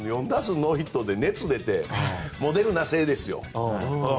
４打数ノーヒットで熱出てモデルナ製ですよ。